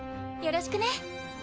よろしくね。